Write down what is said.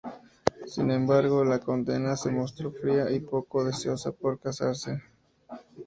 Sin embargo, la condesa se mostró fría y poco deseosa de casarse.